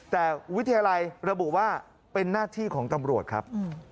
แต่วิทยาลัยระบุว่าเป็นหน้าที่ของตำรวจครับ